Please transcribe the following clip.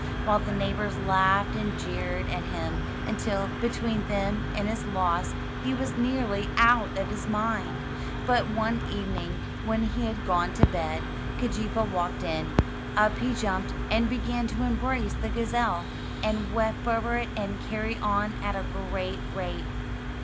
while the neighbors laughed and jeered at him, until, between them and his loss, he was nearly out of his mind. But one evening, when he had gone to bed, Keejeepaa walked in. Up he jumped, and began to embrace the gazelle, and weep over it, and carry on at a great rate.